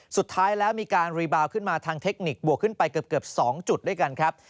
สุดท้ายแล้วมีการรีบาลขึ้นมาทางเทคนิคบวกขึ้นไปเกือบ๒จุดด้วยกันครับ